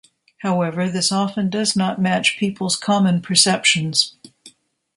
However, this often does not match people's common perceptions.